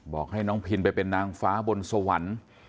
บอกให้น้องพินไปเป็นนางฟ้าบนสวรรค์